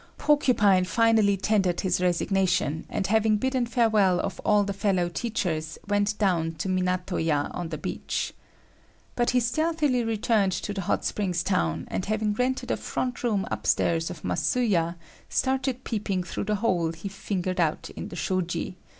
Porcupine finally tendered his resignation, and having bidden farewell of all the fellow teachers, went down to Minato ya on the beach. But he stealthily returned to the hot springs town, and having rented a front room upstairs of Masuya, started peeping through the hole he fingered out in the shoji.